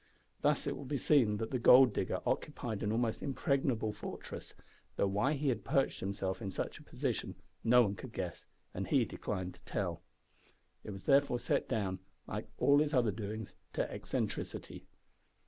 Thus it will be seen that the gold digger occupied an almost impregnable fortress, though why he had perched himself in such a position no one could guess, and he declined to tell. It was therefore set down, like all his other doings, to eccentricity.